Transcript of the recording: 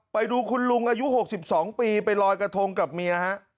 ไปดูคุณลุงอายุ๖๒ปีไปลอยกระทงกับเมียฮะ